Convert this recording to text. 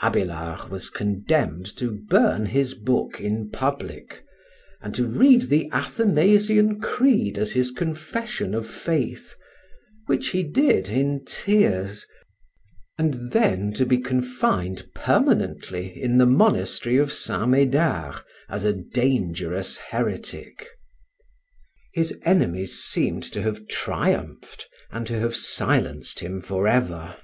Abélard was condemned to burn his book in public, and to read the Athanasian Creed as his confession of faith (which he did in tears), and then to be confined permanently in the monastery of St. Médard as a dangerous heretic. His enemies seemed to have triumphed and to have silenced him forever.